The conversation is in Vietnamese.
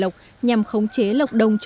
giảm tiền truyền thông